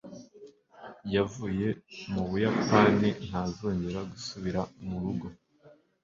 Yavuye mu Buyapani, ntazongera gusubira mu rugo.